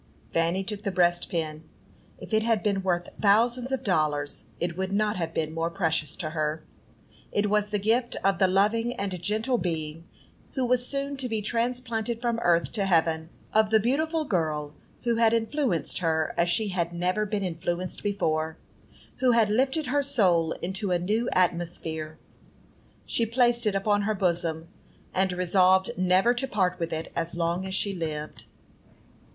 Fanny took the breastpin. If it had been worth thousands of dollars, it would not have been more precious to her. It was the gift of the loving and gentle being who was soon to be transplanted from earth to heaven; of the beautiful girl who had influenced her as she had never been influenced before; who had lifted her soul into a new atmosphere. She placed it upon her bosom, and resolved never to part with it as long as she lived.